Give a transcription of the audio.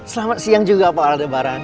selamat siang juga pak albaran